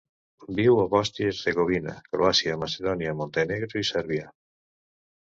Viu a Bòsnia i Hercegovina, Croàcia, Macedònia, Montenegro i Sèrbia.